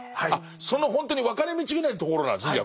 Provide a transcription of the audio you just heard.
そのほんとに分かれ道ぐらいのところなんですね